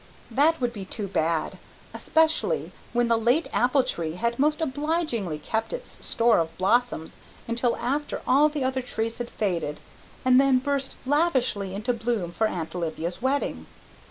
That would be too bad, especially when the late apple tree had most obligingly kept its store of blossom until after all the other trees had faded and then burst lavishly into bloom for Aunt Olivia's wedding.